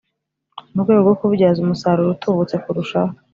mu rwego rwo kububyaza umusaruro utubutse kurushaho